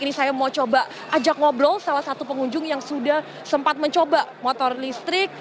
ini saya mau coba ajak ngobrol salah satu pengunjung yang sudah sempat mencoba motor listrik